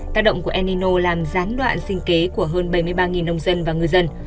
tác động của el nino làm gián đoạn sinh kế của hơn bảy mươi ba nông dân và người dân